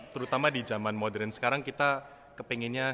terutama di zaman modern sekarang kita kepengennya